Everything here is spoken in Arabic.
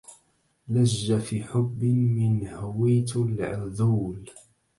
لج في حب من هويت العذول